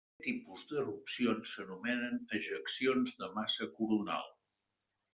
Aquest tipus d'erupcions s'anomenen ejeccions de massa coronal.